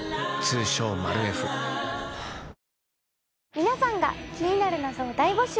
皆さんが気になる謎を大募集。